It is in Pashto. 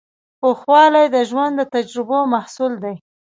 پوخوالی د ژوند د تجربو محصول دی.